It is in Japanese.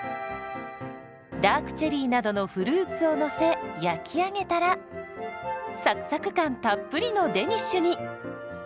ダークチェリーなどのフルーツをのせ焼き上げたらサクサク感たっぷりのデニッシュに。